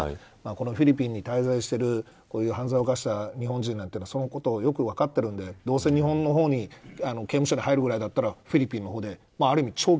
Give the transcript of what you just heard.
フィリピンに滞在している犯罪を起こした日本人なんてのはそのことをよく分かってるんでどうせ日本の刑務所に入るぐらいだったらフィリピンの方である意味